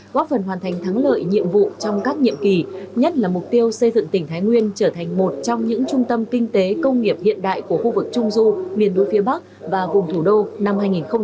góp phần hoàn thành thắng lợi nhiệm vụ trong các nhiệm kỳ nhất là mục tiêu xây dựng tỉnh thái nguyên trở thành một trong những trung tâm kinh tế công nghiệp hiện đại của khu vực trung du miền núi phía bắc và vùng thủ đô năm hai nghìn hai mươi